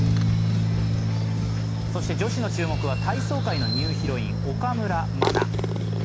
そして女子の注目は体操界のニューヒロイン、岡村真。